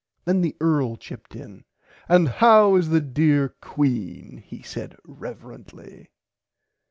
Then the Earl chipped in and how is the dear Queen he said reveruntly.